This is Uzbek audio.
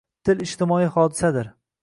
Til ijtimoiy hodisadir